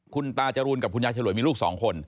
คุณตาจรูนกับคุณยายฉลวยมีลูกสองคน